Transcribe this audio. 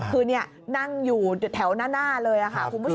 คือนี่นั่งอยู่แถวหน้าเลยค่ะคุณผู้ชม